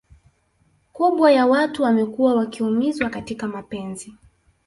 kubwa ya watu wamekua wakiumizwa katika mapenzi